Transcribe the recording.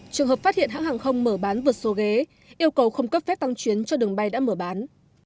trường hợp phát hiện hãng hàng không mở bán vượt số ghế yêu cầu không cấp phép tăng chuyến cho đường bay đã mở bán